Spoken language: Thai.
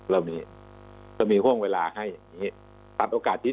เรามีก็มีห้วงเวลาให้อย่างนี้